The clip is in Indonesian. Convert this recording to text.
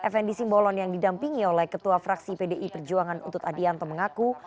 fnd simbolon yang didampingi oleh ketua fraksi pdi perjuangan utut adianto mengaku